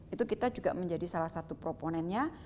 itu kita juga menjadi salah satu proponennya